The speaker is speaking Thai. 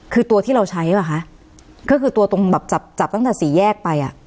คือตัวที่เราใช้หรือเปล่าคะก็คือตัวตรงแบบจับจับตั้งแต่สี่แยกไปอ่ะ